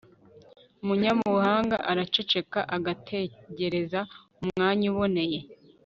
umunyabuhanga araceceka agategereza umwanya uboneye